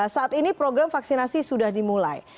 saat ini program vaksinasi sudah dimulai